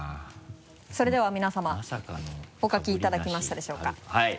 それでは皆さまお書きいただけましたでしょうかはい。